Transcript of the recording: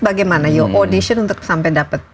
bagaimana audition untuk sampai di indonesia